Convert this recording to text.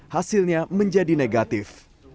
hasilnya menjadi negatif